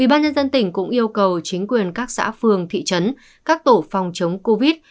ubnd tỉnh cũng yêu cầu chính quyền các xã phường thị trấn các tổ phòng chống covid